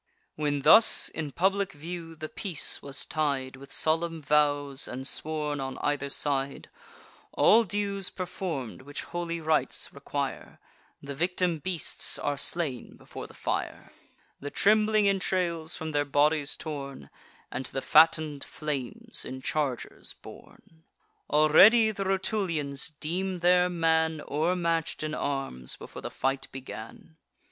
When thus in public view the peace was tied With solemn vows, and sworn on either side, All dues perform'd which holy rites require; The victim beasts are slain before the fire, The trembling entrails from their bodies torn, And to the fatten'd flames in chargers borne. Already the Rutulians deem their man O'ermatch'd in arms, before the fight began.